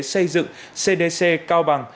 xây dựng cdc cao bằng